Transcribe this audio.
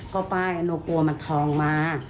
ก็ไปหนูกลัวมันทองมา